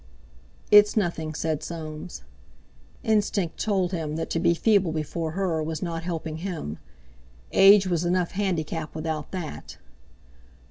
"It's nothing," said Soames. Instinct told him that to be feeble before her was not helping him—age was enough handicap without that.